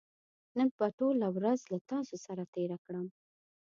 نن به ټوله ورځ له تاسو سره تېره کړم